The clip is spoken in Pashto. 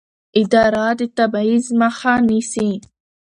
اداره د تبعیض مخه نیسي.